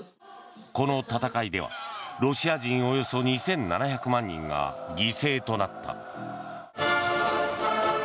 この戦いではロシア人およそ２７００万人が犠牲となった。